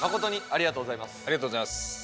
ありがとうございます。